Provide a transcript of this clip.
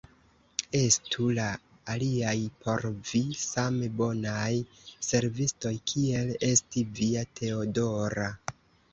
Estu la aliaj por vi same bonaj servistoj, kiel estis via Teodora!